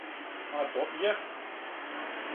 А то и јесте.